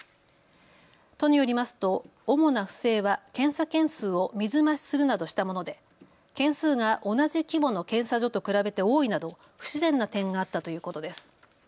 都によりますと主な不正は検査件数を水増しするなどしたもので件数が同じ規模の検査所と比べて多いなど不自然な点があったということです。